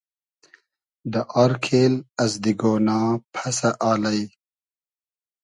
دۂ آر کېل از دیگۉنا پئسۂ الݷ